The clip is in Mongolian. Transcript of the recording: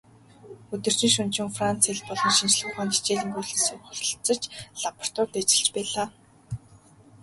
Өдөржин шөнөжин Франц хэл болон шинжлэх ухаанд хичээнгүйлэн суралцаж, лабораторид ажиллаж байлаа.